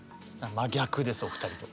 真逆ですお二人と。